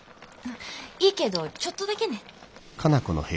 いいけどちょっとだけね。